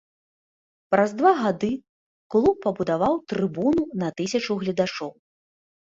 Праз два гады клуб пабудаваў трыбуну на тысячу гледачоў.